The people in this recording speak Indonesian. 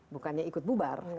bukannya ikut bubar